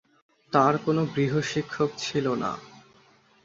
তার কোন গৃহশিক্ষক ছিল না।